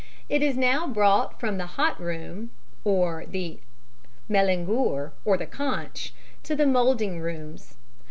It is now brought from the hot room (or the mélangeur or the conche) to the moulding rooms.